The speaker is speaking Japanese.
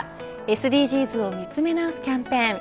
ＳＤＧｓを見つめ直すキャンペーン。